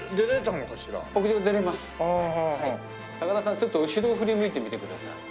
ちょっと後ろを振り向いてみてください。